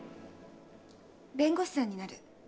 弁護士さんになる。